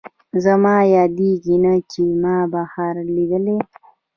زما یادېږي نه، چې ما بهار لیدلی